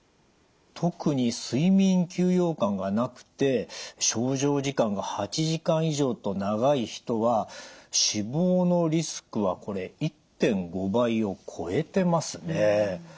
特に睡眠休養感がなくて床上時間が８時間以上と長い人は死亡のリスクはこれ１．５倍を超えてますね。